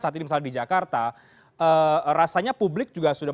saat ini misalnya di jakarta rasanya publik juga sudah